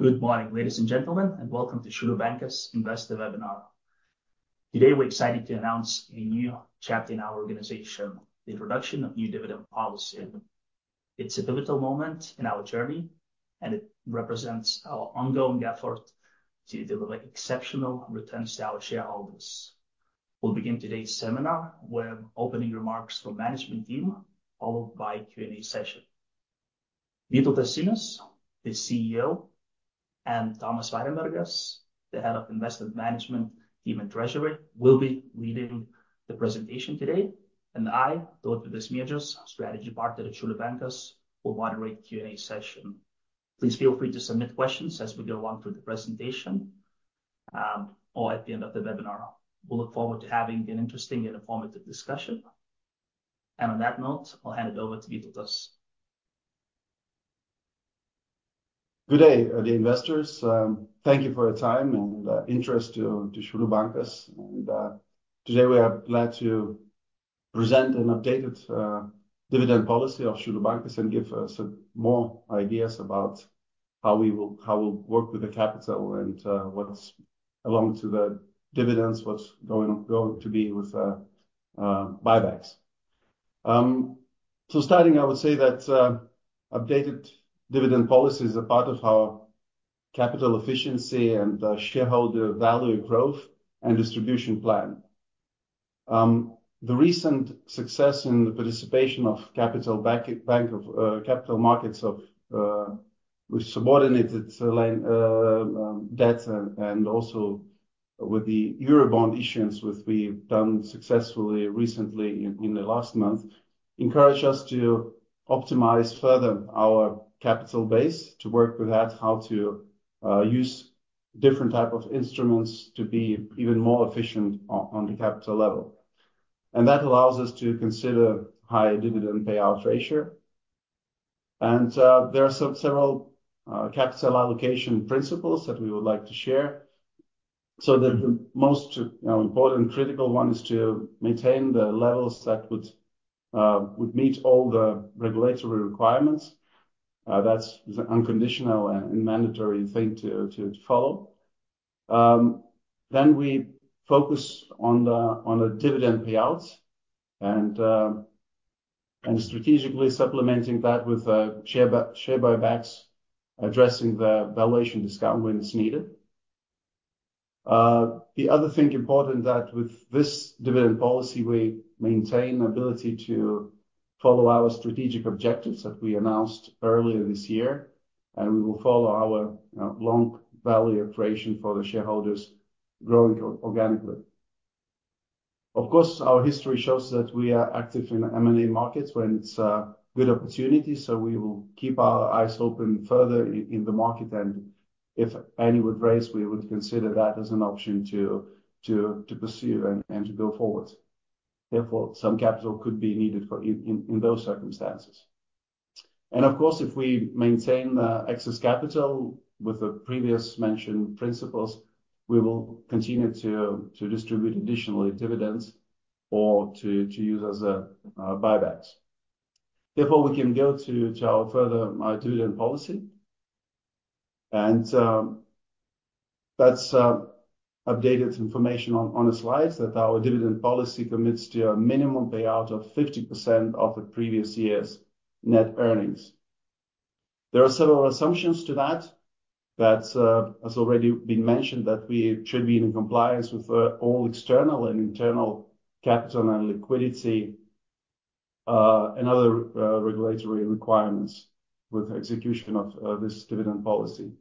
Good morning, ladies and gentlemen, and welcome to Šiaulių bankas Investor Webinar. Today, we're excited to announce a new chapter in our organization, the introduction of new dividend policy. It's a pivotal moment in our journey, and it represents our ongoing effort to deliver exceptional returns to our shareholders. We'll begin today's seminar with opening remarks from management team, followed by Q&A session. Vytautas Sinius, the CEO, and Tomas Varenbergas, the Head of Investment Management Team and Treasury, will be leading the presentation today, and I, Tautvydas Marčiulaitis, Strategy Partner at Šiaulių bankas, will moderate the Q&A session. Please feel free to submit questions as we go along through the presentation or at the end of the webinar. We look forward to having an interesting and informative discussion. On that note, I'll hand it over to Vytautas. Good day, early investors. Thank you for your time and interest to Šiaulių bankas. And today we are glad to present an updated dividend policy of Šiaulių bankas and give us more ideas about how we'll work with the capital and what's along to the dividends, what's going to be with buybacks. So starting, I would say that updated dividend policy is a part of our capital efficiency and shareholder value growth and distribution plan. The recent success in the participation in capital markets with subordinated debt and also with the Eurobond issuance, which we've done successfully recently in the last month, encouraged us to optimize further our capital base to work with that, how to use different type of instruments to be even more efficient on the capital level. That allows us to consider higher dividend payout ratio. There are several capital allocation principles that we would like to share. The most important critical one is to maintain the levels that would meet all the regulatory requirements. That's unconditional and mandatory thing to follow. Then we focus on the dividend payouts and strategically supplementing that with share buybacks, addressing the valuation discount when it's needed. The other thing important that with this dividend policy, we maintain ability to follow our strategic objectives that we announced earlier this year, and we will follow our long value creation for the shareholders growing organically. Of course, our history shows that we are active in M&A markets when it's a good opportunity, so we will keep our eyes open further in the market, and if any would raise, we would consider that as an option to pursue and to go forward. Therefore, some capital could be needed for those circumstances. And of course, if we maintain the excess capital with the previous mentioned principles, we will continue to distribute additionally dividends or to use as a buybacks. Therefore, we can go to our further dividend policy, and that's updated information on the slides that our dividend policy commits to a minimum payout of 50% of the previous year's net earnings. There are several assumptions to that. That has already been mentioned, that we should be in compliance with all external and internal capital and liquidity and other regulatory requirements with execution of this dividend policy.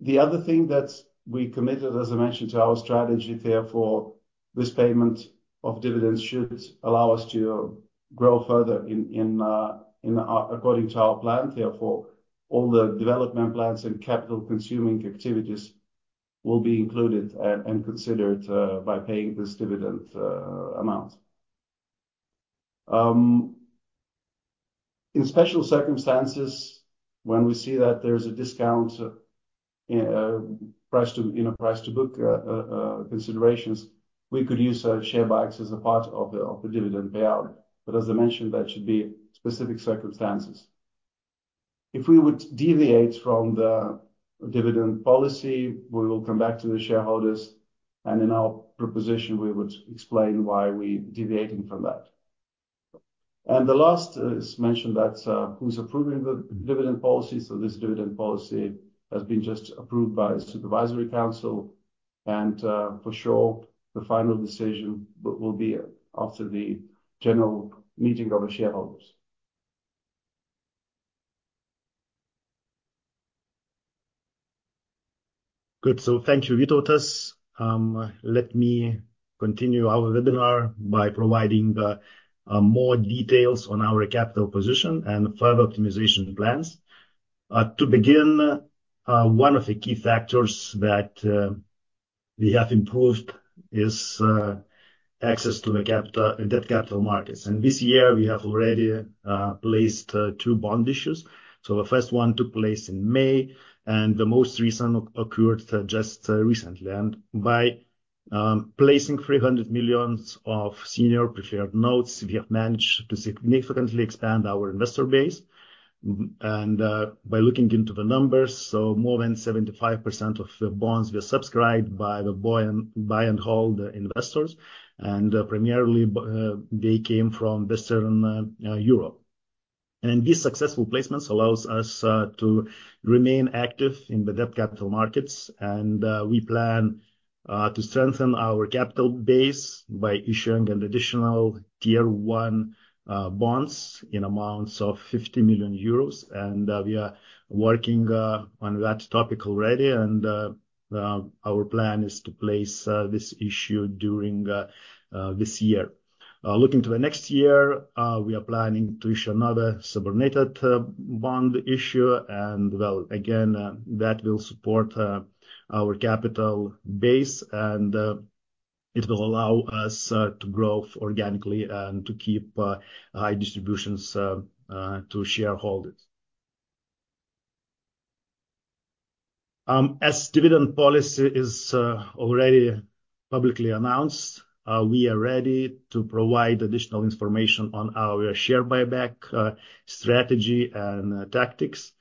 The other thing that we committed, as I mentioned, to our strategy, therefore, this payment of dividends should allow us to grow further according to our plan. Therefore, all the development plans and capital-consuming activities will be included and considered by paying this dividend amount. In special circumstances, when we see that there's a discount in price to, you know, price to book considerations, we could use share buybacks as a part of the dividend payout. But as I mentioned, that should be specific circumstances. If we would deviate from the dividend policy, we will come back to the shareholders, and in our proposition, we would explain why we deviating from that. And the last is mentioned that, who's approving the dividend policy. So this dividend policy has been just approved by Supervisory Council, and for sure, the final decision will be after the general meeting of the shareholders. Good. Thank you, Vytautas. Let me continue our webinar by providing more details on our capital position and further optimization plans. To begin, one of the key factors that we have improved is access to the debt capital markets. This year we have already placed two bond issues. The first one took place in May, and the most recent occurred just recently. By- Placing 300 million of senior preferred notes, we have managed to significantly expand our investor base. And by looking into the numbers, more than 75% of the bonds were subscribed by the buy and hold investors. And primarily, they came from Western Europe. And these successful placements allows us to remain active in the debt capital markets. And we plan to strengthen our capital base by issuing an Additional Tier 1 bonds in amounts of 50 million euros. And we are working on that topic already, and our plan is to place this issue during this year. Looking to the next year, we are planning to issue another subordinated bond issue and, well, again, that will support our capital base, and it will allow us to grow organically and to keep high distributions to shareholders. As dividend policy is already publicly announced, we are ready to provide additional information on our share buyback strategy and tactics,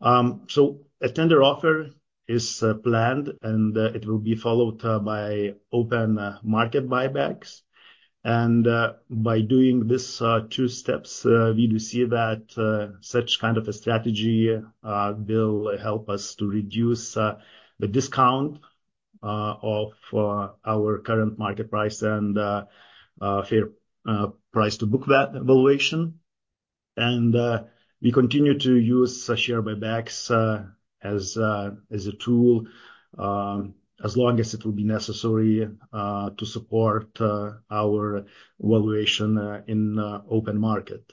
so a tender offer is planned, and it will be followed by open market buybacks, and by doing this two steps, we do see that such kind of a strategy will help us to reduce the discount of our current market price and fair price to book that valuation. We continue to use share buybacks as a tool as long as it will be necessary to support our valuation in open market.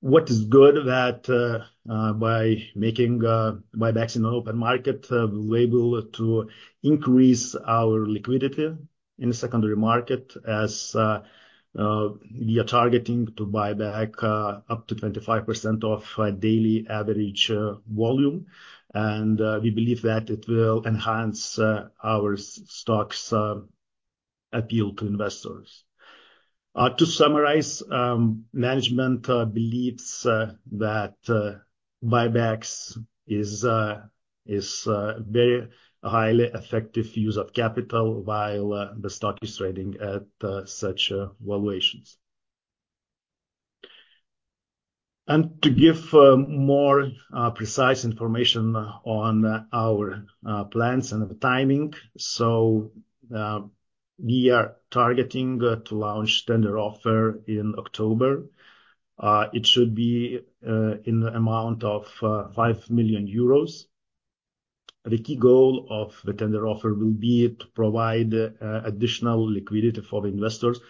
What is good that by making buybacks in the open market, we're able to increase our liquidity in the secondary market as we are targeting to buy back up to 25% of daily average volume. We believe that it will enhance our stock's appeal to investors. To summarize, management believes that buybacks is very highly effective use of capital while the stock is trading at such valuations. To give more precise information on our plans and the timing, so we are targeting to launch tender offer in October. It should be in the amount of 5 million euros. The key goal of the tender offer will be to provide additional liquidity for the investors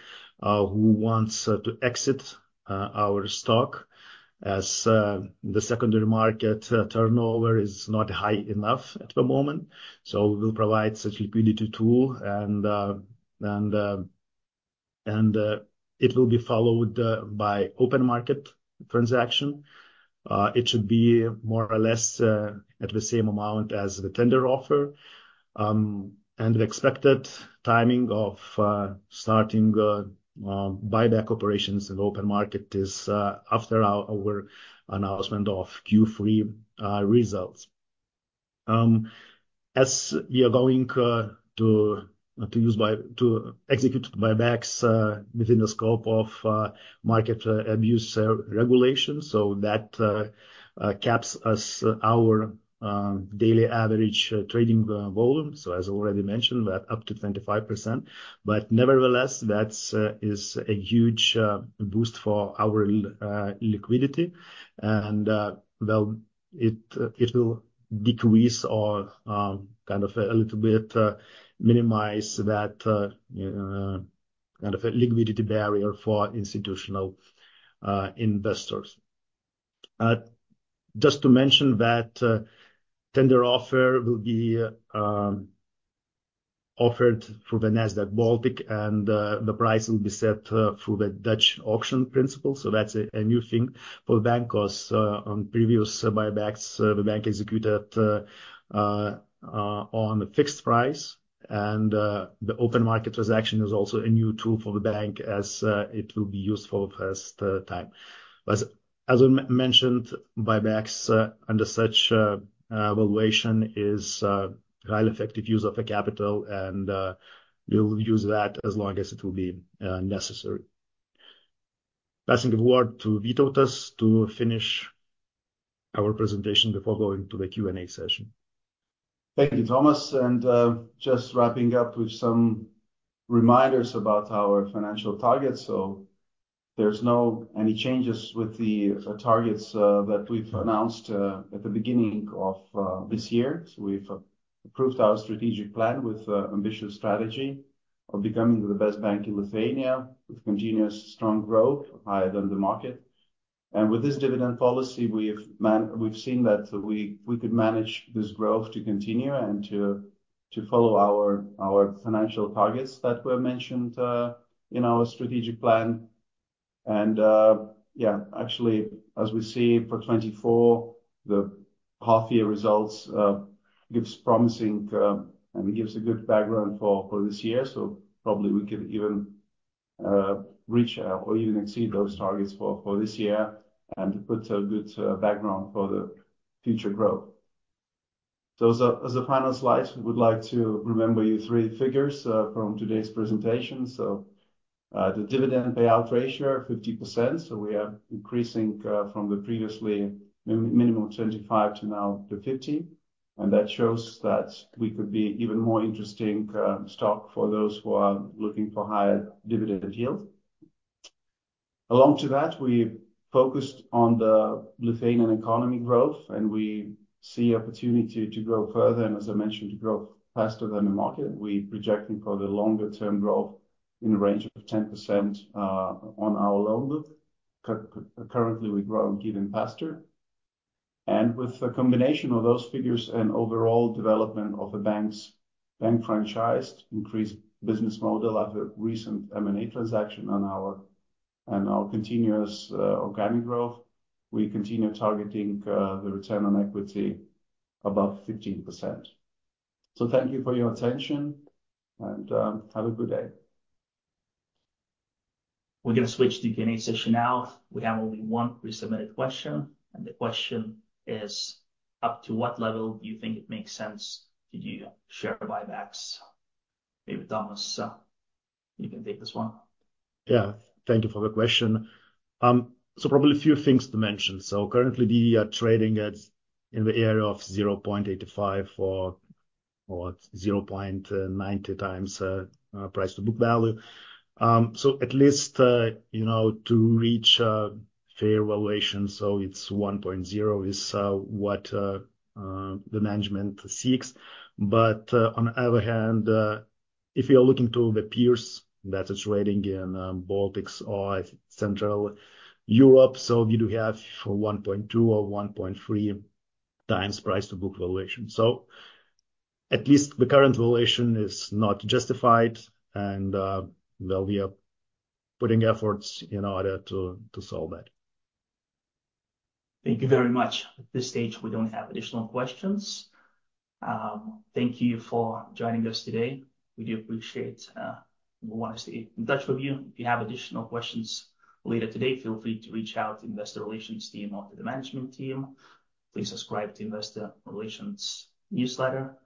who wants to exit our stock, as the secondary market turnover is not high enough at the moment, so we'll provide such liquidity tool, and it will be followed by open market transaction. It should be more or less at the same amount as the tender offer, and the expected timing of starting buyback operations in the open market is after our announcement of Q3 results. As we are going to execute the buybacks within the scope of market abuse regulations, so that caps our daily average trading volume, so as already mentioned, we're up to 25%, but nevertheless, that is a huge boost for our liquidity, and well, it will decrease or kind of a little bit minimize that kind of a liquidity barrier for institutional investors. Just to mention that, the tender offer will be offered through the Nasdaq Baltic, and the price will be set through the Dutch auction principle, so that's a new thing for the bank, 'cause on previous buybacks, the bank executed on a fixed price. The open market transaction is also a new tool for the bank as it will be useful first time. As I mentioned, buybacks under such valuation is highly effective use of the capital, and we'll use that as long as it will be necessary. Passing the word to Vytautas to finish our presentation before going to the Q&A session. Thank you, Tomas. And just wrapping up with some reminders about our financial targets. So there's no any changes with the targets that we've announced at the beginning of this year. So we've approved our strategic plan with ambitious strategy of becoming the best bank in Lithuania, with continuous strong growth higher than the market. And with this dividend policy, we've seen that we could manage this growth to continue and to follow our financial targets that were mentioned in our strategic plan. And yeah, actually, as we see for 2024, the half year results gives promising and gives a good background for this year. So probably we could even reach out or even exceed those targets for this year and put a good background for the future growth. So as a final slide, we would like to remember you three figures from today's presentation. So, the dividend payout ratio, 50%, so we are increasing from the previously minimum of 25% to now to 50%. And that shows that we could be even more interesting stock for those who are looking for higher dividend yield. Along to that, we focused on the Lithuanian economy growth, and we see opportunity to grow further, and as I mentioned, to grow faster than the market. We're projecting for the longer term growth in the range of 10% on our loan book. Currently, we grow even faster. And with the combination of those figures and overall development of the banks, bank franchise, increased business model of a recent M&A transaction on our and our continuous, organic growth, we continue targeting the return on equity above 15%. So thank you for your attention and, have a good day. We're going to switch to Q&A session now. We have only one pre-submitted question, and the question is: Up to what level do you think it makes sense to do share buybacks? Maybe, Tomas, you can take this one. Yeah. Thank you for the question. So probably a few things to mention. So currently, we are trading at in the area of 0.85 or 0.90 times price to book value. So at least you know to reach a fair valuation, so it's 1.0 is what the management seeks. But on the other hand if you are looking to the peers that is trading in Baltics or Central Europe, so you do have 1.2 or 1.3 times price to book valuation. So at least the current valuation is not justified, and well, we are putting efforts in order to solve that. Thank you very much. At this stage, we don't have additional questions. Thank you for joining us today. We do appreciate. We want to stay in touch with you. If you have additional questions later today, feel free to reach out to Investor Relations team or to the management team. Please subscribe to Investor Relations newsletter,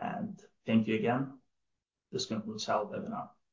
and thank you again. This concludes our webinar.